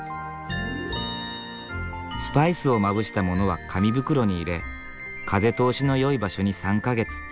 スパイスをまぶしたものは紙袋に入れ風通しのよい場所に３か月。